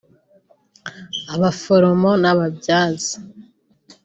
Abaforomo n’Ababyaza